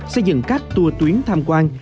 xây dựng các tour tuyến tham quan